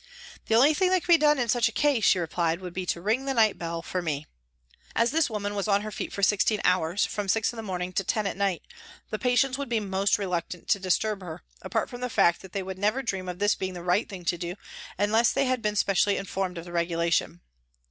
" The only thing that can be done in such a case," she replied, " would be to ring the night bell for me." As this woman was on her feet for sixteen hours, from six in the morning to ten at night, the patients would be most reluctant to disturb her, apart from the fact that they would never dream of this being the right thing to do unless they had been specially informed of the regulation.